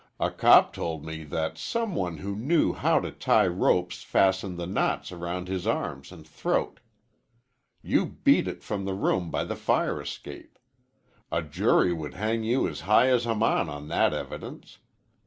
A cop told me that some one who knew how to tie ropes fastened the knots around his arms and throat. You beat it from the room by the fire escape. A jury would hang you high as Haman on that evidence.